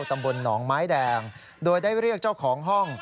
ตำบลหนองไม้แดงโดยได้เรียกเจ้าของห้อง